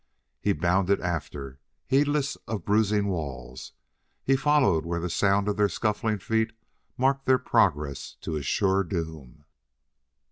He bounded after, heedless of bruising walls; he followed where the sound of their scuffling feet marked their progress to a sure doom.